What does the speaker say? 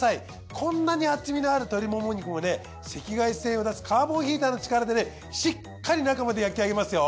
こんなに厚みのある鶏もも肉も赤外線を出すカーボンヒーターの力でしっかり中まで焼き上げますよ。